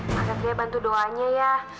mas hatria bantu doanya ya